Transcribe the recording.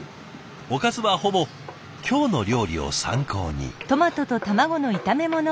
おかずはほぼ「きょうの料理」を参考に。